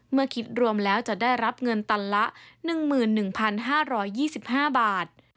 เมื่อคิดรวมแล้วจะได้รับเงินตันละ๑๑๕๒๕บาท